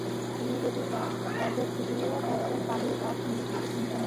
তুমি যদি যাও, তবে তুমি একজন পালিয়ে যাওয়া সৈনিক হিসেবে চিহ্নিত হবে।